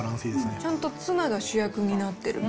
ちゃんとツナが主役になってる。